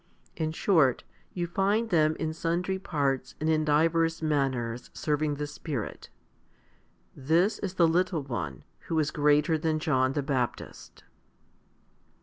In short, you find them in sundry parts and in divers manners* serving the Spirit. This is the little one who is greater than John the Baptist.